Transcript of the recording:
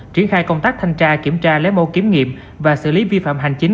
triển khai công tác thanh tra kiểm tra lấy mẫu kiểm nghiệm và xử lý vi phạm hành chính